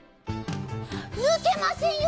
ぬけませんよ